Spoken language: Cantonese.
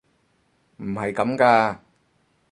唔係咁㗎！